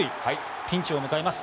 ピンチを迎えます。